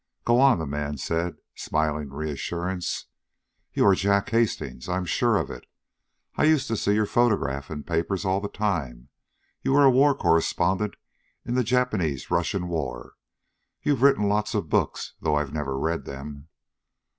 "Go on," the man said, smiling reassurance. "You are Jack Hastings, I 'm sure of it. I used to see your photograph in the papers all the time you were war correspondent in the Japanese Russian War. You've written lots of books, though I've never read them."